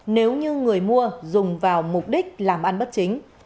nếu như người mua dùng vào mục đích làm ăn bất chính